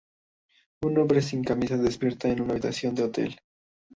Un hombre sin camisa despierta en una habitación de hotel.